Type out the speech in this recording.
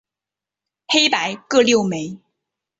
黑白各六枚。